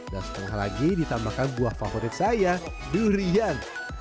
dan setengah lagi ditambahkan buah favorit saya durian